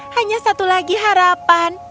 hanya satu lagi harapan